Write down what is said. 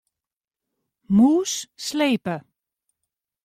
Mûs slepe.